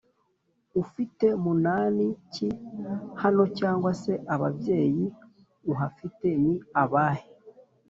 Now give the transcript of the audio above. «Ufite munani ki hano, cyangwa se ababyeyi uhafite ni abahe,